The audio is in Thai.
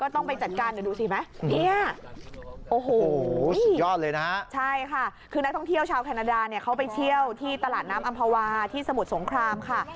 ถ้าท่องเที่ยวชาวแคนาดาเนี่ยเขาไปเที่ยวที่ตลาดน้ำอำภาวาที่สมุทรสงครามค่ะ